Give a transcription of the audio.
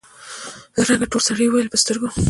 له رنګه تور سړي وويل: په سترګو!